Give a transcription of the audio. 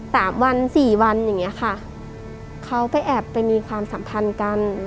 สามวันสี่วันอย่างเงี้ยค่ะเขาไปแอบไปมีความสัมพันธ์กัน